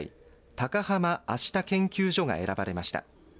高濱明日研究所が選ばれました。